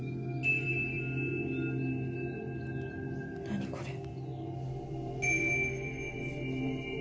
・何これ？